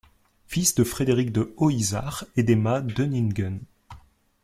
Fils de Frédéric de Haut-Isar et d'Emma d'Oeninghen.